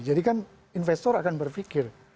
jadi kan investor akan berpikir